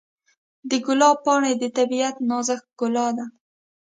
د ګلاب پاڼې د طبیعت نازک ښکلا ده.